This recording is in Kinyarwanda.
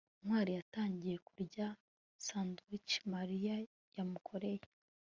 ntwali yatangiye kurya sandwich mariya yamukoreye